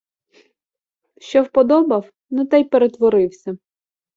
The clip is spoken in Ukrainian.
Що вподобав, на те й перетворився.